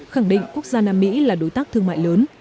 khẳng định quốc gia nam mỹ là đối tác thương mại lớn